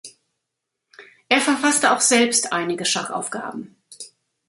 Er verfasste auch selbst einige Schachaufgaben.